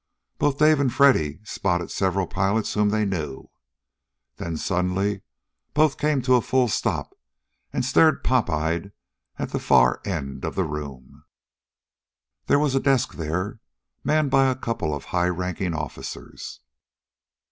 Both Dave and Freddy spotted several pilots whom they knew. Then, suddenly, both came to a full stop and stared pop eyed at the far end of the room. There was a desk there manned by a couple of high ranking officers.